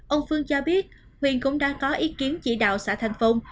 ông phương cho biết huyện cũng đang có ý kiến chỉ đạo xã thành phong